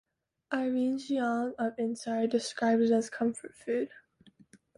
Irene Jiang of "Insider" described it as "comfort food".